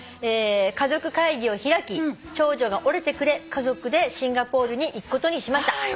「家族会議を開き長女が折れてくれ家族でシンガポールに行くことにしました」